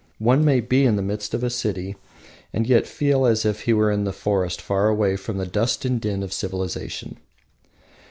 One may be in the midst of a city, and yet feel as if he were in the forest far away from the dust and din of civilisation.